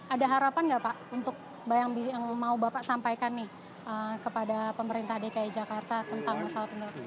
ada harapan nggak pak untuk bayang biji yang mau bapak sampaikan nih kepada pemerintah dki jakarta tentang masalah kendaraan